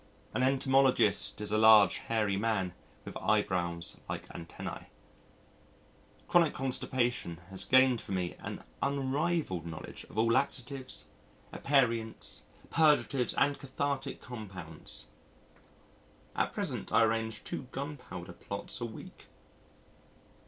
An Entomologist is a large hairy man with eyebrows like antennæ. Chronic constipation has gained for me an unrivalled knowledge of all laxatives, aperients, purgatives and cathartic compounds. At present I arrange two gunpowder plots a week.